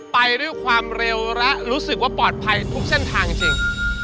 ไปด้วยความเร็วและรู้สึกว่าปลอดภัยทุกเส้นทางจริง